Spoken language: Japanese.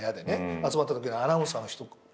集まったときアナウンサーの人とかね